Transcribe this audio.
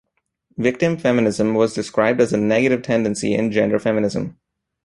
Victim feminism was described as a negative tendency in gender feminism.